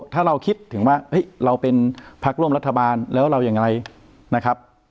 ถ้าเราคิดถึงว่าเราเป็นพักร่วมรัฐบาลแล้วเราอย่างไรนะครับ